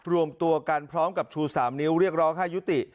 รวมตัวกันพร้อมกับชู๓นิ้วเรียกร้องให้ยุติ